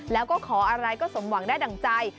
แล้วก็ขออะไรก็สมหวังได้ดั่งใจ